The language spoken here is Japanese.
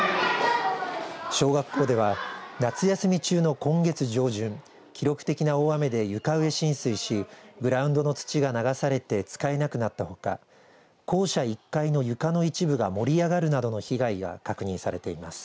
小学校では夏休み中の今月上旬記録的な大雨で床上浸水しグラウンドの土が流されて使えなくなったほか校舎１階の床の一部が盛り上がるなどの被害が確認されています。